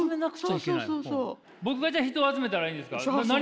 僕がじゃあ人を集めたらいいんですか？